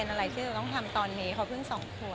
ก็ไม่เห็นอะไรที่เรามีที่จะทำตอนนี้เค้าเพิ่งส่องครัว